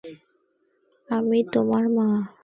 আমি তোমার মা!